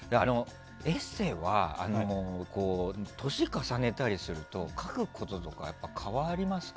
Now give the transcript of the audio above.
エッセーは、年を重ねたりすると書くこととか変わりますか？